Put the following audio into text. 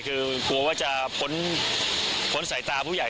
คือกลัวว่าจะพ้นสายตาผู้ใหญ่